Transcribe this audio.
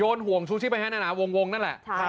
โดนห่วงชูชีพไปให้นะวงนั่นแหละ